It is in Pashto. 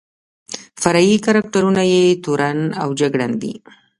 فرعي کرکټرونه یې تورن او جګړن دي.